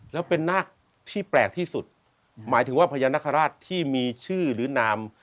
แล้วเป็นนาคที่แปลกที่สุดหมายถึงว่าพญานาคาราชที่มีชื่อหรือนาม